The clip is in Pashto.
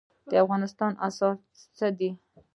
د افغانستان اسعار څه دي؟